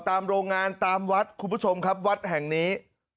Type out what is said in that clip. ตามโรงงานตามวัดคุณผู้ชมครับหัวขญิงนี้